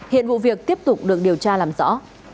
hiện vụ việc tiếp tục được điều tra làm rõ